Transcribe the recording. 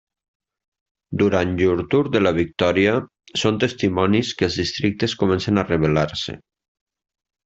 Durant llur Tour de la Victòria, són testimonis que els districtes comencen a rebel·lar-se.